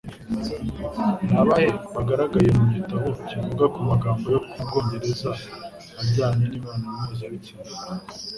Ni abahe bagaragaye mu gitabo kivuga ku magambo yo mu Bwongereza ajyanye n’imibonano mpuzabitsina?